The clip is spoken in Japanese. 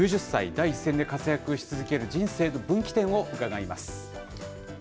第一線で活躍し続ける人生の分岐点を伺います。